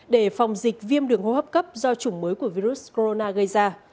để phòng dịch viêm đường hô hấp cấp do chủng mới của virus corona gây ra